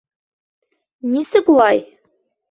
— Нисек улай?